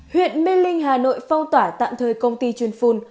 huyện mê linh hà nội phong tỏa tạm thời công ty chuyên phun